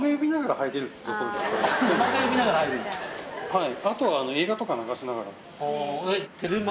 はい。